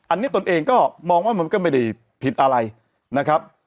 อันนี้ตนเองก็มองว่ามันก็ไม่ได้ผิดอะไรนะครับ